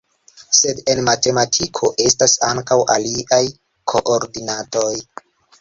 Sed en matematiko estas ankaŭ aliaj koordinatoj.